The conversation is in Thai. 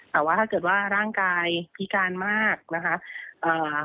แต่ว่าถ้าเกิดว่าร่างกายพิการมากนะคะเอ่อ